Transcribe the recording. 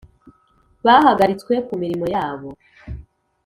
bahagaritswe ku mirimo yabo